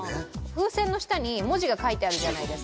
風船の下に文字が書いてあるじゃないですか